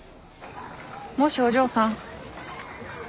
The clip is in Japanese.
もしお嬢さん。